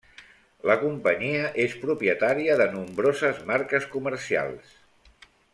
La companyia és propietària de nombroses marques comercials.